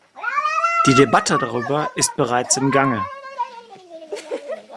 Die Debatte darüber ist bereits im Gange.